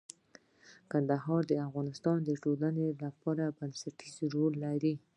کندهار د افغانستان د ټولنې لپاره بنسټيز رول لري.